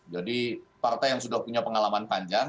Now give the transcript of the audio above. jadi partai yang sudah punya pengalaman panjang